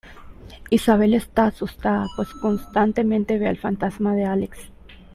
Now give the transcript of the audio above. Isabel está asustada pues constantemente ve al fantasma de Alex.